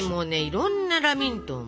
いろんなラミントン